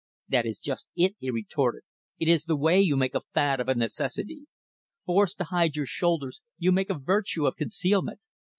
"That is just it" he retorted "it is the way you make a fad of a necessity! Forced to hide your shoulders, you make a virtue of concealment.